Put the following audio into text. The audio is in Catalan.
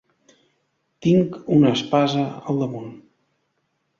Tinc una espasa al damunt